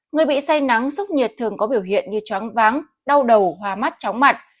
người bị say nắng sốc nhiệt thường có biểu hiện như chóng váng đau đầu hoa mắt chóng mặt